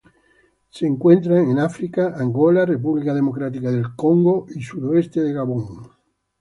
Se encuentran en África: Angola, República Democrática del Congo y sudoeste de Gabón.